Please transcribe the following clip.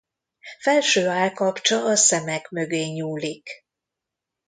Felső állkapcsa a szemek mögé nyúlik.